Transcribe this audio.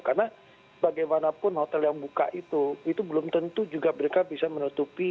karena bagaimanapun hotel yang buka itu itu belum tentu juga mereka bisa menutupi